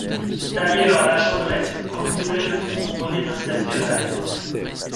D'ailleurs la Jondrette continuait de fourgonner dans ses ferrailles.